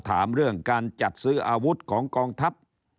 ถามเรื่องการจัดซื้ออาวุธของกองทัพ